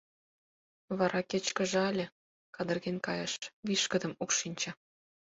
Вара кечкыжале, кадырген кайыш, вишкыдым укшинче.